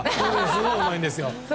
すごいうまいんですよ。